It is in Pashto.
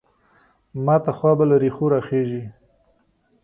ماته خوا به له رېښو راخېژي.